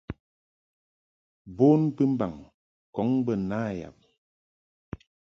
Bon bɨmbaŋ ŋkɔŋ bə na yab.